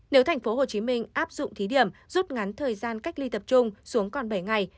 nếu tp hcm áp dụng thí điểm rút ngắn thời gian cách ly tập trung xuống còn bảy ngày